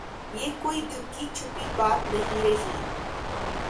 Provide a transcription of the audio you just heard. یہ کوئی ڈھکی چھپی بات نہیں رہی۔